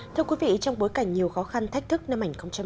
thưa quý vị trong bối cảnh nhiều khó khăn thách thức năm hai nghìn hai mươi ba